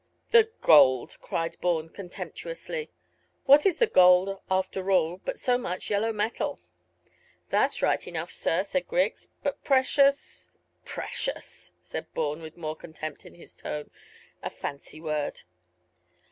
"The gold!" cried Bourne contemptuously. "What is the gold, after all, but so much yellow metal?" "That's right enough, sir," said Griggs, "but precious " "Precious!" said Bourne, with more contempt in his tone. "A fancy word."